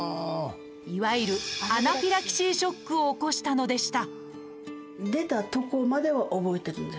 いわゆるアナフィラキシーショックを起こしたのでした。